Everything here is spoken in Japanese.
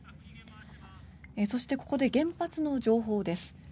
そして、ここで原発の情報です。